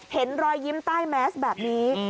เห็นรอยยิ้มใต้แมสแบบนี้